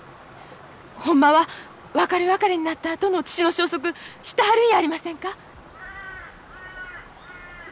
ほんまは別れ別れになったあとの父の消息知ってはるんやありませんか？